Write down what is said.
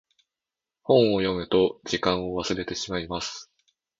本を読むと時間を忘れてしまいます。